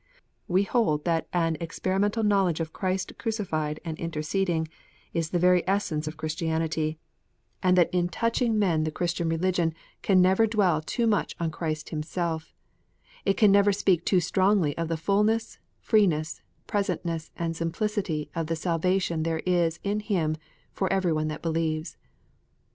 We hold that an experimental knowledge of Christ crucified and interceding, is the very essence of Christianity, and that in 6 K2COTS UNTIED, teaching men the Christian religion we can never dwell too much on Christ Himself, and can never speak too strongly of the fulness, freeness, presentness, and simplicity of the salva tion there is in Him for every one that "believes.